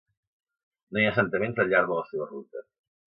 No hi ha assentaments al llarg de la seva ruta.